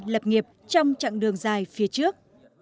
lập nghiệp trong chặng đường dài phía trước